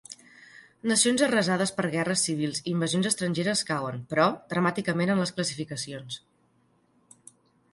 Nacions arrasades per guerres civils i invasions estrangeres cauen, però, dramàticament en les classificacions.